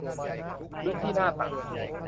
พื้นที่หน้าตัด